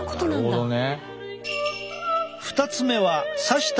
なるほどね。